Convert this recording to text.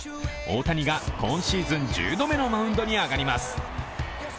大谷が今シーズン１０度目のマウンドに上がります。